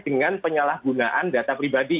dengan penyalahgunaan data pribadi